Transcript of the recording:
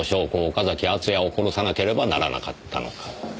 岡崎敦也を殺さなければならなかったのか。